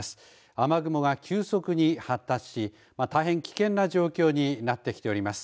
雨雲が急速に発達し大変危険な状況になってきております。